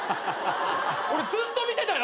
俺ずっと見てたよ！